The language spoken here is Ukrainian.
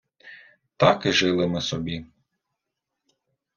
Так і жили ми собі.